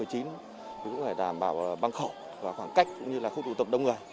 cũng phải đảm bảo băng khẩu và khoảng cách cũng như là khu tụ tập đông người